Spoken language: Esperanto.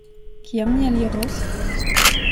Kiam ni eliros?